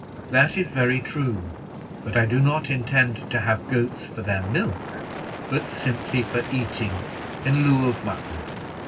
"That is very true; but I do not intend to have goats for their milk, but simply for eating in lieu of mutton.